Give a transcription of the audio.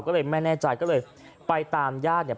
ก็เลยไม่แน่ใจก็เลยไปตามญาติเนี่ย